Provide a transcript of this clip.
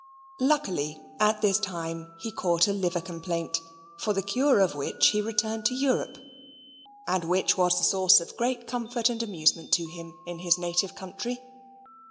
Luckily, at this time he caught a liver complaint, for the cure of which he returned to Europe, and which was the source of great comfort and amusement to him in his native country.